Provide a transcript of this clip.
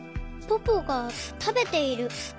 ポポがたべている。